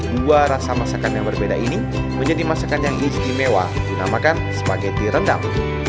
dua rasa masakan yang berbeda ini menjadi masakan yang istimewa dinamakan spageti rendang